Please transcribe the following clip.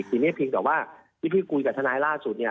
ทีนี้เพียงแต่ว่าที่พี่คุยกับทนายล่าสุดเนี่ย